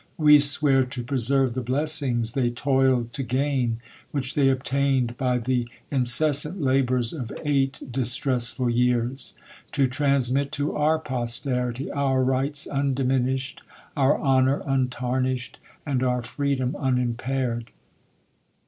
We swear to preserve the blessings they toiled to gain, which they obtained by the incessant labours of eight distressful years ; to transmit to our posterity, our rights undiminished, our honor untarnished, and our freedom unimpaired.